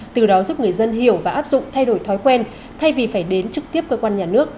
từ đó giúp người dân hiểu và áp dụng thay đổi thói quen thay vì phải đến trực tiếp cơ quan nhà nước